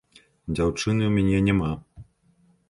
Дзяўчыны ў мяне няма.